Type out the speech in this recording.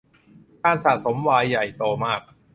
การสะสมไวน์ใหญ่โตมาก